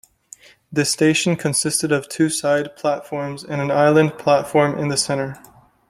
This station consisted of two side platforms and an island platform in the centre.